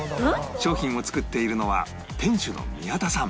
商品を作っているのは店主の宮田さん